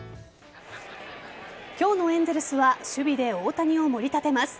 今日のエンゼルスは守備で大谷を盛り立てます。